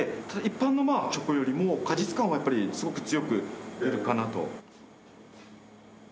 一般のチョコよりも果実感はやっぱりすごく強く出るかなと。